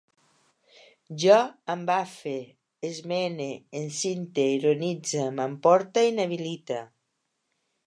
Jo embafe, esmene, encinte, ironitze, m'emporte, inhabilite